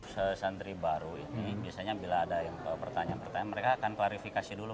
sesantri baru ini biasanya bila ada yang bertanya pertanya mereka akan klarifikasi dulu